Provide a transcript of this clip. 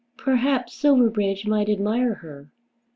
"Perhaps Silverbridge might admire her."